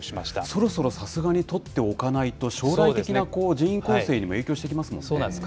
そろそろさすがに採っておかないと、将来的な人員形成にも影響してきますもんね。